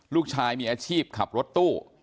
ลูกชายมีอาชีพขับรถตู้